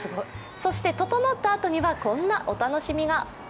そして、ととのったあとにはこんなお楽しみが。